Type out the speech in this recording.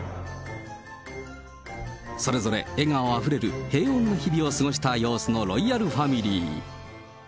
それぞれ笑顔あふれる平穏な日々を過ごした様子のロイヤルファミリー。